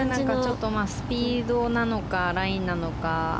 スピードなのかラインなのか。